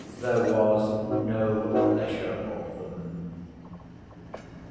There was no leisure of them.